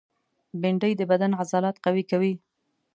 بېنډۍ د بدن عضلات قوي کوي